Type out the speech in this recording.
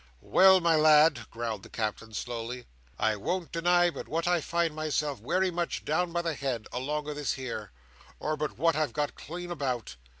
"Well, my lad," growled the Captain slowly, "I won't deny but what I find myself wery much down by the head, along o' this here, or but what I've gone clean about.